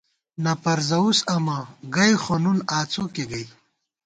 نہ پروزَوُس امہ ، گئ خو نُن، آڅوکےگئ